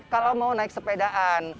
kalau mau naik sepedaan